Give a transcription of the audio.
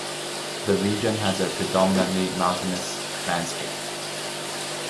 The region has a predominantly mountainous landscape.